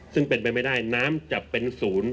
ซึ่งเป็นไปไม่ได้น้ำจะเป็นศูนย์